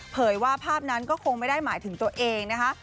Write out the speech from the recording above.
ว่าภาพนั้นก็คงไม่ได้หมายถึงตัวเองนะคะ